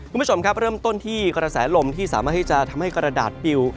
คุณผู้ชมครับเริ่มต้นที่กระแสลมที่สามารถที่จะทำให้กระดาษปิว